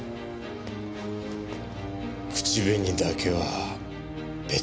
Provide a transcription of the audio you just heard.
口紅だけは別だ。